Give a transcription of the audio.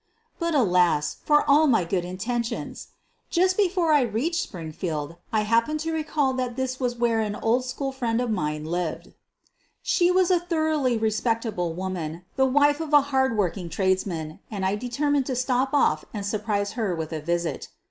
But alas for all my good intentions ! Just before I reached Springfield I happened to recall that this was where an old school friend of mine lived. She 240 SOPHIE LYONS was a thoroughly respectable woman, the wife of a hard working tradesman, and I determined to stop off and surprise her with a visit.